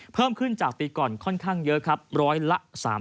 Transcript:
เพิ่มขึ้นจากปีก่อนค่อนข้างเยอะครับร้อยละ๓๐